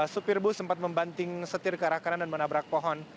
supir bus sempat membanting setir ke arah kanan dan menabrak pohon